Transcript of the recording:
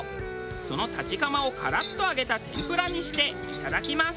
そのたちかまをカラッと揚げたてんぷらにしていただきます。